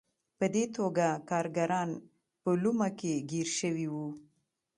په دې توګه کارګران په لومه کې ګیر شوي وو.